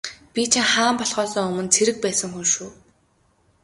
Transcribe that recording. Би чинь хаан болохоосоо өмнө цэрэг байсан хүн шүү.